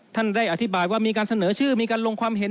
ท่านได้อธิบายว่ามีการเสนอชื่อมีการลงความเห็น